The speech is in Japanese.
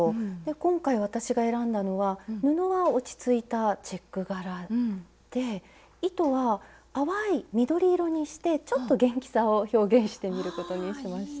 今回私が選んだのは布は落ち着いたチェック柄で糸は淡い緑色にしてちょっと元気さを表現してみることにしました。